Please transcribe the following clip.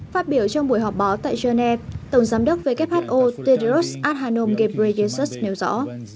phát biểu trong buổi họp báo tại geneva tổng giám đốc who tedros adhanom ghebreyesus nêu rõ